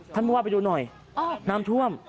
ผู้ว่าไปดูหน่อยน้ำท่วม